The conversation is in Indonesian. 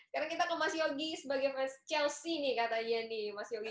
sekarang kita ke mas yogi sebagai fans chelsea nih katanya nih mas yogi